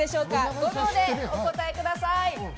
５秒でお答えください。